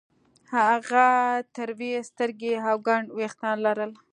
هغه تروې سترګې او ګڼ وېښتان لرل